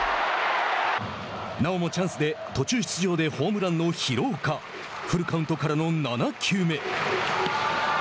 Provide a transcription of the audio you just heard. なおもチャンスで途中出場でホームランの廣岡フルカウントからの７球目。